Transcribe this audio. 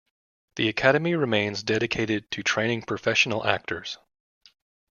The Academy remains dedicated to training professional actors.